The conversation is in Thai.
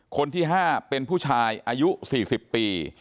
คนที่๕เป็นผู้ชายอายุ๔๐ปี